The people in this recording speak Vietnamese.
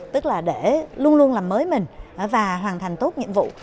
tức là để luôn luôn làm mới mình và hoàn thành tốt nhiệm vụ